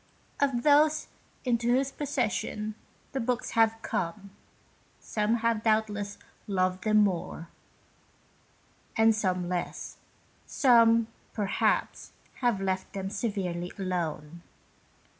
Of those into whose possession the books have come, some have doubtless loved them more, and some less ; some, perhaps, have left them severely alone.